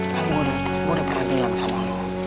kan gue udah pernah bilang sama lo